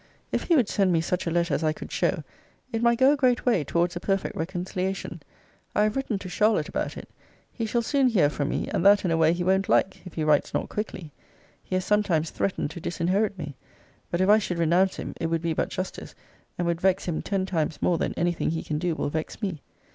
If he would send me such a letter as I could show, it might go a great way towards a perfect reconciliation. I have written to Charlotte about it. He shall soon hear from me, and that in a way he won't like, if he writes not quickly. He has sometimes threatened to disinherit me. But if I should renounce him, it would be but justice, and would vex him ten times more than any thing he can do will vex me.